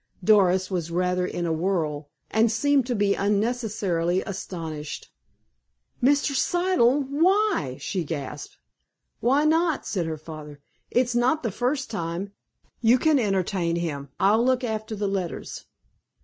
Doris was rather in a whirl, and seemed to be unnecessarily astonished. "Mr. Siddle! Why?" she gasped. "Why not!" said her father. "It's not the first time. You can entertain him. I'll look after the letters."